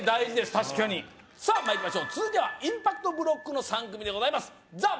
確かにさあまいりましょう続いてはインパクトブロックの３組でございますザ・ベストワンミニッツ